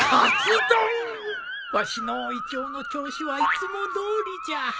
わしの胃腸の調子はいつもどおりじゃ